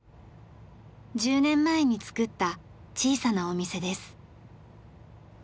１０年前に作った小さなお店です。